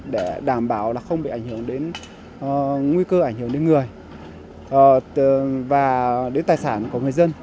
để đảm bảo không bị ảnh hưởng đến nguy cơ ảnh hưởng đến người và đến tài sản của người dân